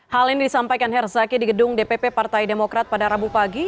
hal ini disampaikan herzaki di gedung dpp partai demokrat pada rabu pagi